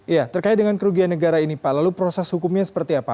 ya terkait dengan kerugian negara ini pak lalu proses hukumnya seperti apa